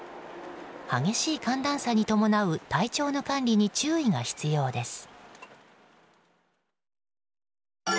激しい寒暖差に伴う体調の管理に注意が必要です。